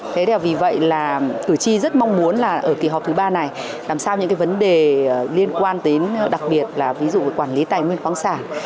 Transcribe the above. thế thì vì vậy là cử tri rất mong muốn là ở kỳ họp thứ ba này làm sao những cái vấn đề liên quan đến đặc biệt là ví dụ quản lý tài nguyên khoáng sản